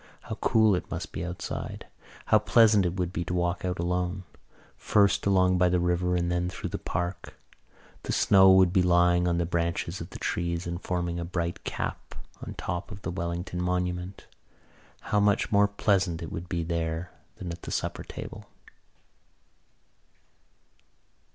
How cool it must be outside! How pleasant it would be to walk out alone, first along by the river and then through the park! The snow would be lying on the branches of the trees and forming a bright cap on the top of the Wellington Monument. How much more pleasant it would be there than at the supper table!